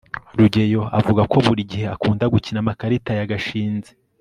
rugeyo avuga ko buri gihe akunda gukina amakarita na gashinzi